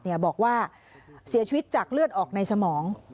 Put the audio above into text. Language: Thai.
บอกว่าเสียชีวิตจากเลือดออกในสมอง